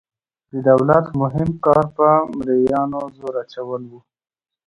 د دولت مهم کار په مرئیانو زور اچول وو.